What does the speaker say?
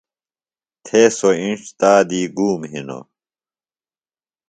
تھے سوۡ اِنڇ تا دی گُوم ہِنوۡ